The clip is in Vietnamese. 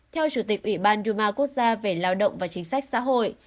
theo chủ tịch ủy ban duma quốc gia về lao động và chính sách xã hội